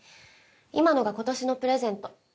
今のが今年のプレゼント